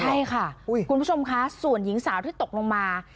ใช่ค่ะคุณผู้ชมคะส่วนหญิงสาวที่ตกลงมา